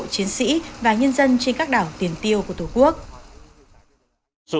chiến sĩ và nhân dân trên các đảo tiền tiêu của tổ quốc